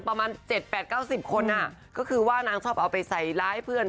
ประมาณ๗๘๙๐คนก็คือว่านางชอบเอาไปใส่ร้ายเพื่อน